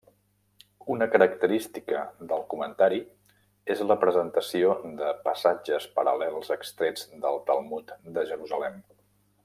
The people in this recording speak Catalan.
Una característica del comentari és la presentació de passatges paral·lels extrets del Talmud de Jerusalem.